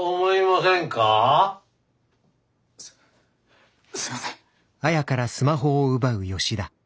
すすみません。